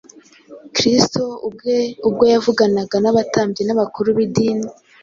Kristo ubwe ubwo yavuganaga n’abatambyi n’abakuru b’Idini